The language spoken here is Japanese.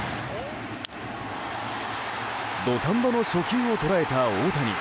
土壇場の初球を捉えた大谷。